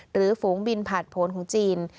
ฝูงบินผ่านผลของจีน